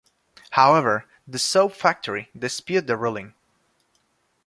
However, the soap factory disputed the ruling.